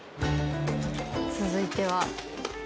続いては？